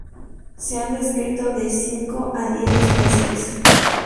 Se han descrito de cinco a diez especies.